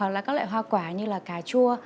là các loại hoa quả như là cà chua